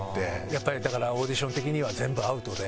やっぱりだからオーディション的には全部アウトで。